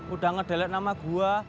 udah ngedelet nama gue